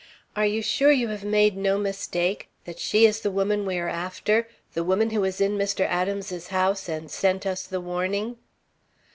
Are you sure you have made no mistake; that she is the woman we are after; the woman who was in Mr. Adams's house and sent us the warning?"